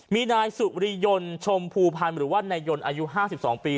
มีนายสุริยนต์ชมภูพันธ์หรือว่านายยนต์อายุ๕๒ปี